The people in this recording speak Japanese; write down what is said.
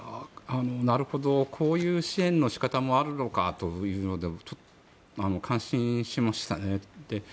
なるほどこういう支援の仕方もあるのかというので感心しましたね。